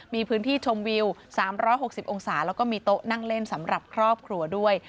มีพื้นที่ชมวิว๓๖๐องศาแล้วก็มีโต๊ะนั่งเล่นสำหรับครอบครัวด้วย